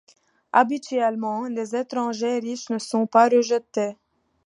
Habituellement, les étrangers riches ne sont pas rejetés.